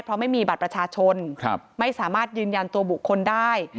เพราะไม่มีบัตรประชาชนไม่สามารถยืนยันตัวบุคคลได้